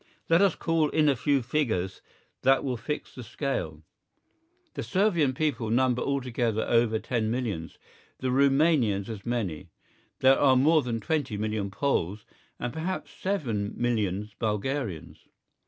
Let us call in a few figures that will fix the scale. The Servian people number altogether over ten millions, the Rumanians as many, there are more than twenty million Poles, and perhaps seven millions Bulgarians.